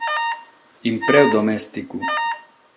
Impreu domèsticu